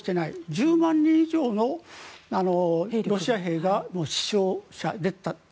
１０万人以上のロシア兵が死傷者が出た。